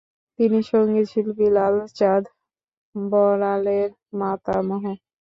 তিনি সঙ্গীতশিল্পী লালচাঁদ বড়ালের মাতামহ।